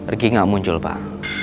riki gak muncul pak